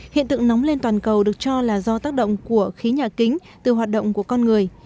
hiện tượng nóng lên toàn cầu được cho là do tác động của khí nhà kính từ hoạt động của con người